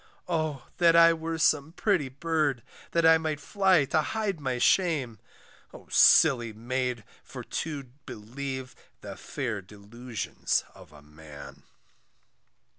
Oh! that I were some pretty bird, That I might fly to hide my shame; O silly maid, for to believe The fair delusions of a man.